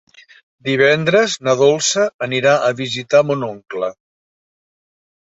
Divendres na Dolça anirà a visitar mon oncle.